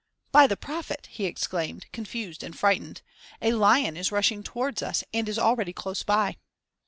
"By the prophet!" he exclaimed, confused and frightened, "a lion is rushing towards us and is already close by!"